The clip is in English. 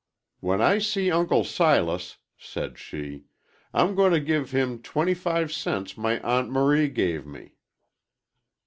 "When I see Uncle Silas," said she, "I'm going to give him the twenty five cents my Aunt Marie gave me."